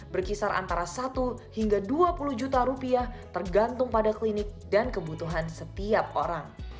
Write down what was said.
berkisar antara satu hingga dua puluh juta rupiah tergantung pada klinik dan kebutuhan setiap orang